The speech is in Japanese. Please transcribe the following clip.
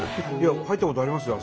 入ったことありますよ。